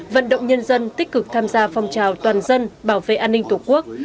vận động nhân dân tích cực tham gia phong trào toàn dân bảo vệ an ninh tổ quốc